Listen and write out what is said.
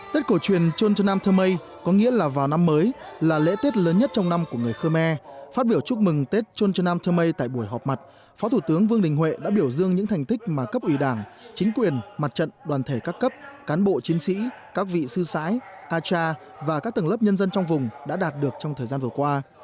tết cổ truyền trôn trần nam thơ mây có nghĩa là vào năm mới là lễ tết lớn nhất trong năm của người khơ me phát biểu chúc mừng tết trôn trần nam thơ mây tại buổi họp mặt phó thủ tướng vương đình huệ đã biểu dương những thành tích mà cấp ủy đảng chính quyền mặt trận đoàn thể các cấp cán bộ chiến sĩ các vị sư sãi a cha và các tầng lớp nhân dân trong vùng đã đạt được trong thời gian vừa qua